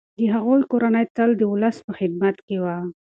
د هغوی کورنۍ تل د ولس په خدمت کي وه.